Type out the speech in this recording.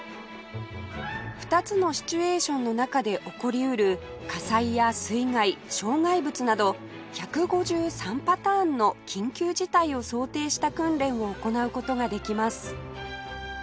２つのシチュエーションの中で起こりうる火災や水害障害物など１５３パターンの緊急事態を想定した訓練を行う事ができます